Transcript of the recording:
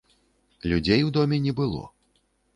Людзей у доме не было.